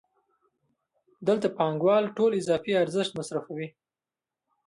دلته پانګوال ټول اضافي ارزښت مصرفوي